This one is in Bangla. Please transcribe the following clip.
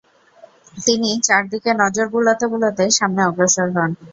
তিনি চারদিকে নজর বুলাতে বুলাতে সামনে অগ্রসর হন।